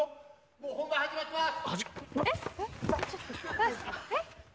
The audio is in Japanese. もう本番始まってます！